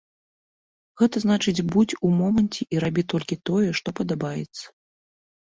Гэта значыць будзь у моманце і рабі толькі тое, што падабаецца.